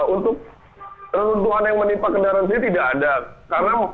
untuk penuntuhan yang menimpa kendaraan ini tidak ada